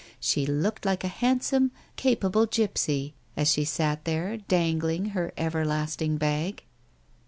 She looked like a handsome, capable gipsy, as she sat there, dangling her everlasting bag.